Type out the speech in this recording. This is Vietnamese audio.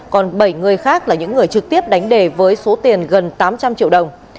còn bảy người khác là những người trực tiếp đánh đề với số tiền gần tám trăm linh triệu đồng